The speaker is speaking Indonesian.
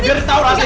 jadi tau lah sih